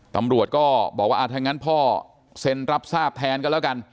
ตำรวจก็บอกว่าถ้างั้นพ่อเซ็นรับทราบแทนกันแล้วกัน